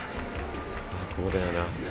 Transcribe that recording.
ここだよな。